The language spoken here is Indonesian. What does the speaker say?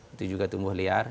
itu juga tumbuh liar